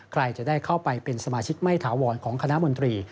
ใครจะได้เข้าไปเป็นสมาชิกไม่ถาวรของคณะมนตรี